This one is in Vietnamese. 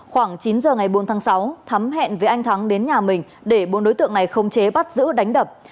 khoảng chín giờ ngày bốn tháng sáu thắm hẹn với anh thắng đến nhà mình để bốn đối tượng này không chế bắt giữ đánh đập